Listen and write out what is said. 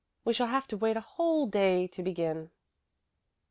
We shall have to wait a whole day to begin."